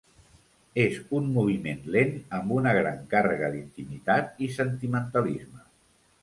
És un moviment lent amb una gran càrrega d'intimitat i sentimentalisme.